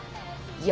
いや。